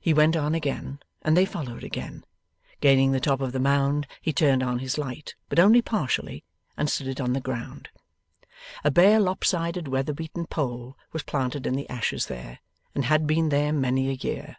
He went on again, and they followed again. Gaining the top of the Mound, he turned on his light but only partially and stood it on the ground. A bare lopsided weatherbeaten pole was planted in the ashes there, and had been there many a year.